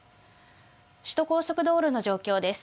首都高速道路の状況です。